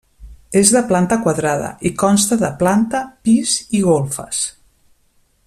És de planta quadrada i consta de planta, pis i golfes.